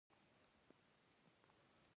خو د هغه خندا منطقي وه